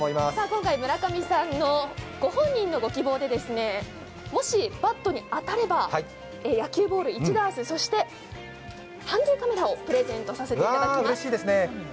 今回村上さんご本人のご希望でもしバットに当たれば野球ボール１ダース、そしてハンディーカメラをプレゼントさせていただきます。